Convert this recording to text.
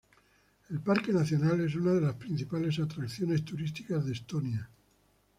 El parque nacional es una de las principales atracciones turísticas de Estonia.